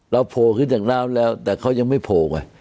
โผล่ขึ้นจากน้ำแล้วแต่เขายังไม่โผล่ไง